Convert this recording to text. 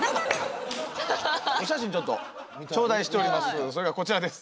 お写真ちょっと頂戴しております